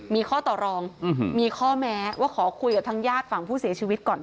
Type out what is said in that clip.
มีข้อต่อรองมีข้อแม้ว่าขอคุยกับทางญาติฝั่งผู้เสียชีวิตก่อน